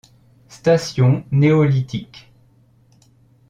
Station néolithique.